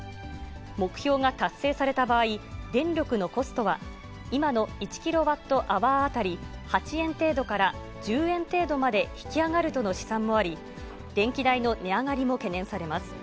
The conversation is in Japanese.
目標が達成された場合、電力のコストは、今の１キロワットアワー当たり８円程度から１０円程度まで引き上がるとの試算もあり、電気代の値上がりも懸念されます。